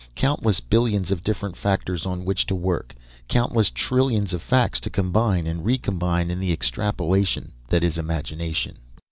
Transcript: Countless billions of different factors on which to work, countless trillions of facts to combine and recombine in the extrapolation that is imagination.